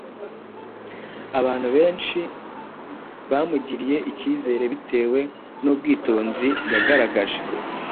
abantu benshi bamugiriye icyizere bitewe n’ubwitonzi yagaragaje